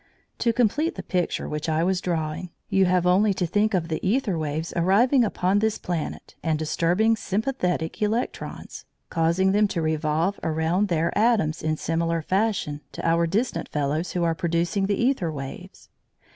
To complete the picture which I was drawing, you have only to think of the æther waves arriving upon this planet and disturbing sympathetic electrons, causing them to revolve around their atoms in similar fashion to our distant fellows who are producing the æther waves.